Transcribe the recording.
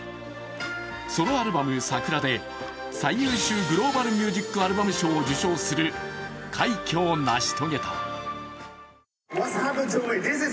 ソロアルバム「ＳＡＫＵＲＡ」で最優秀グローバル・ミュージック・アルバム賞を受賞する快挙を成し遂げた。